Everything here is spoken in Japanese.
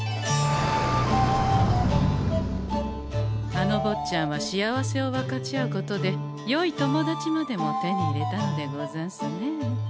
あのぼっちゃんは幸せを分かち合うことでよい友達までも手に入れたのでござんすね。